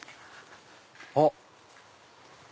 あっ！